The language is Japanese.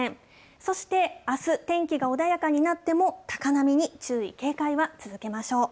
そして、あす、天気が穏やかになっても、高波に注意、警戒は続けましょう。